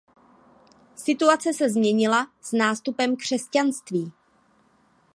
Situace se změnila s nástupem křesťanství.